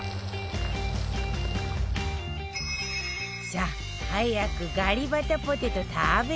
さあ早くガリバタポテト食べてみて